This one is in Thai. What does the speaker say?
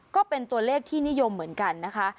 ก็เป็นตัวเลขที่นิยมเหมือนกันนะคะ